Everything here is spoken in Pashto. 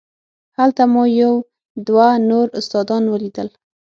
هلته مو یو دوه نور استادان ولیدل.